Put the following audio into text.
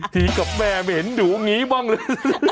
ทีกับแม่เหม็นหนูอย่างนี้บ้างเลย